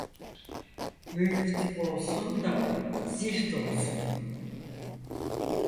Müft olsun da zift olsun.